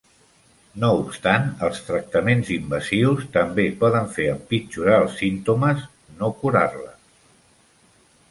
No obstant, els tractaments invasius també poden fer empitjorar els símptomes, no curar-la.